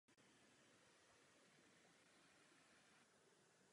Vychází v něm i původní česká poezie a próza.